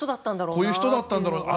こういう人だったんだろうな。